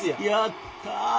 やったあ！